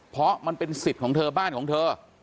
เพราะมันเป็นสิทธิ์ของเธอบ้านของเธอ